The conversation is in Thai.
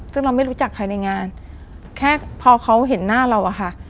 ซึ่งเราไม่รู้จักใครในงานแค่พอเขาเห็นหน้าเราอะค่ะ